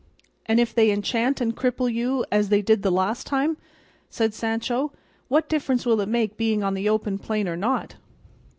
"And if they enchant and cripple you as they did the last time," said Sancho, "what difference will it make being on the open plain or not?"